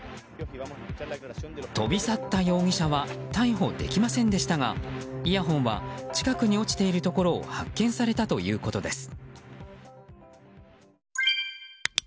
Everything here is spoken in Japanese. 飛び去った容疑者は逮捕できませんでしたがイヤホンは近くに落ちているところを発見されたということです。